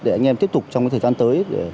để anh em tiếp tục trong thời gian tới